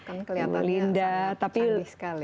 iya kan kelihatannya sangat cantik sekali